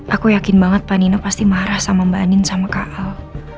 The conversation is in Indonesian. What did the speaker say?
aku yakin banget mbak nino pasti marah sama mbak anin sama kak al